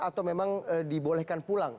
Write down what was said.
atau memang dibolehkan pulang